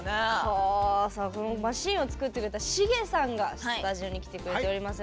マシーンを作ってくれたｓｈｉｇｅさんがスタジオに来てくれております。